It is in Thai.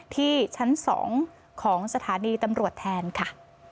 ที่ชั้น๒ของสถานีตำรวจแทนค่ะ